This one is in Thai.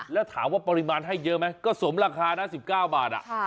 แล้วถามว่าปริมาณให้เยอะไหมก็สมราคานะ๑๙บาท